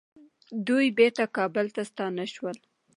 دوی بیرته کابل ته ستانه شول.